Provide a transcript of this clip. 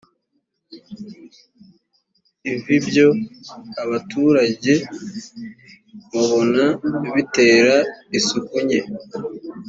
iv ibyo abaturage babona bitera isuku nke